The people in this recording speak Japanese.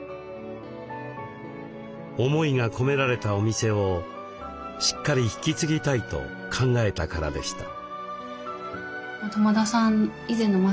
思いが込められたお店をしっかり引き継ぎたいと考えたからでした。